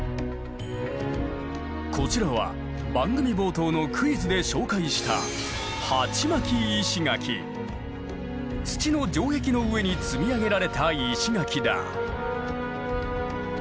こちらは番組冒頭のクイズで紹介した土の城壁の上に積み上げられた石垣だ。